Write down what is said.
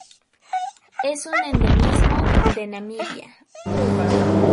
Es un endemismo de Namibia.